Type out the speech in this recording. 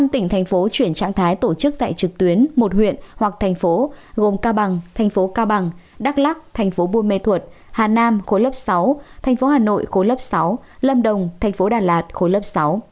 năm tỉnh thành phố chuyển trạng thái tổ chức dạy trực tuyến một huyện hoặc thành phố gồm cao bằng thành phố cao bằng đắk lắc thành phố buôn mê thuột hà nam khối lớp sáu thành phố hà nội khối lớp sáu lâm đồng thành phố đà lạt khối lớp sáu